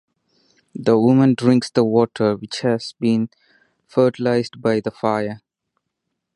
The woman drinks the water which has been fertilized by the fire.